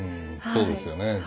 そうですよね。